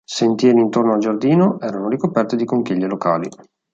Sentieri intorno al giardino erano ricoperti di conchiglie locali.